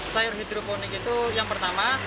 sayur hidroponik itu yang pertama